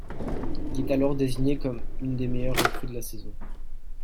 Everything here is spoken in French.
Il est alors désigné comme une des meilleures recrues de la saison.